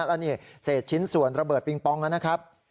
แล้วนี่เศษชิ้นส่วนระเบิดปิงปองนะครับ